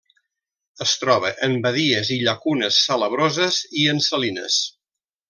Es troba en badies i llacunes salabroses i en salines.